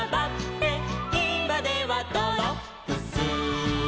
「いまではドロップス」